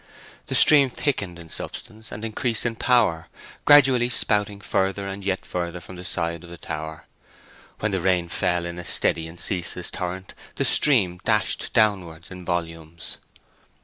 The stream thickened in substance, and increased in power, gradually spouting further and yet further from the side of the tower. When the rain fell in a steady and ceaseless torrent the stream dashed downward in volumes.